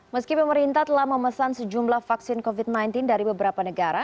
meski pemerintah telah memesan sejumlah vaksin covid sembilan belas dari beberapa negara